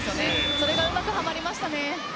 それがうまくはまりましたね。